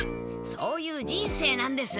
そういう人生なんです。